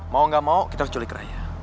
mau gak mau kita harus culik rakyat